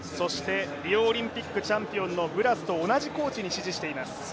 リオオリンピックチャンピオンと同じブラスと同じコーチに師事しています。